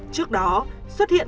trước đó xuất hiện